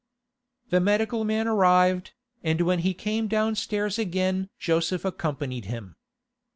The medical man arrived, and when he came downstairs again Joseph accompanied him.